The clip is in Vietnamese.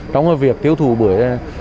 trong việc tiêu thụ bưởi